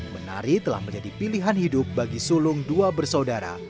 menari telah menjadi pilihan hidup bagi sulung dua bersaudara